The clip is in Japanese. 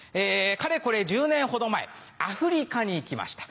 かれこれ１０年ほど前アフリカに行きました。